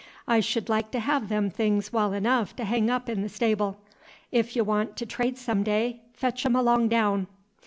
I sh'd like t' hev them things wal enough to heng up 'n the stable; 'f y' want t' trade some day, fetch 'em along daown."